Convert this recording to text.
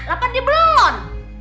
lapan dia belum mon